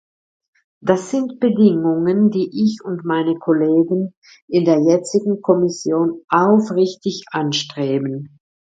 Das sind Bedingungen, die ich und meine Kollegen in der jetzigen Kommission aufrichtig anstreben.